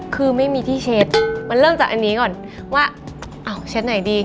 คือไม่มีที่เช็ดมันเริ่มจากอันนี้ก่อนว่าอ้าวเช็ดไหนดี